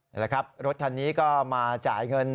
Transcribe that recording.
นี่แหละครับรถคันนี้ก็มาจ่ายเงิน